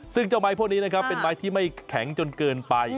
ซึ่งเจ้าไม้พวกนี้นะครับเป็นไม้ที่ไม่แข็งจนเกินไป